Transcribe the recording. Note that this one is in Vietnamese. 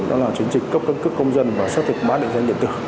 đó là chiến dịch cấp cân cước công dân và xác thực bán định danh điện tử